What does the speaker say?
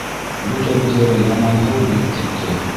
Бөтәбеҙгә лә яманһыу булып китте.